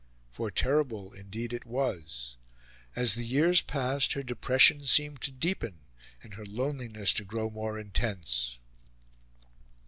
For terrible indeed it was. As the years passed her depression seemed to deepen and her loneliness to grow more intense.